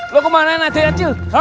lo kemana nadea cil